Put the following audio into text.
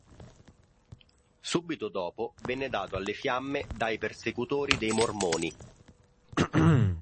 Subito dopo venne dato alle fiamme dai persecutori dei mormoni.